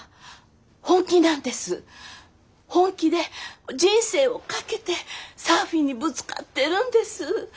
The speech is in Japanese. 本気で人生を懸けてサーフィンにぶつかってるんです。